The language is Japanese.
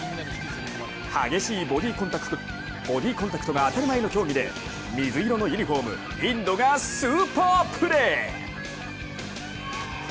激しいボディーコンタクトが当たり前の競技で水色のユニフォーム、インドがスーパープレー！